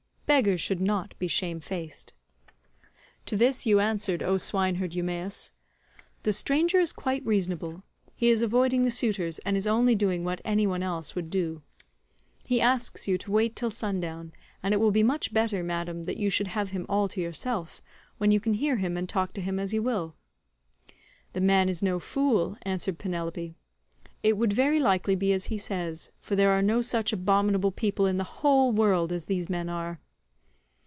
Beggars should not be shamefaced." To this you answered, O swineherd Eumaeus, "The stranger is quite reasonable. He is avoiding the suitors, and is only doing what any one else would do. He asks you to wait till sundown, and it will be much better, madam, that you should have him all to yourself, when you can hear him and talk to him as you will." "The man is no fool," answered Penelope, "it would very likely be as he says, for there are no such abominable people in the whole world as these men are."